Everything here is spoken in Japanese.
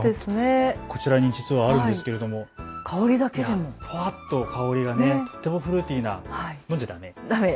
こちらに実はあるんですけど香りがとてもフルーティーな、飲んじゃだめ？